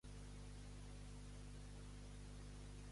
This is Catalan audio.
Amb qui va treballar per a l'elaboració d'Emma és encantadora?